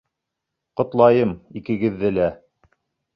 Ҡотлайым икегеҙҙе лә!